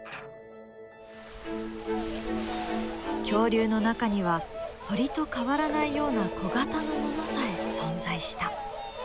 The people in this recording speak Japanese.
恐竜の中には鳥と変わらないような小型のものさえ存在した。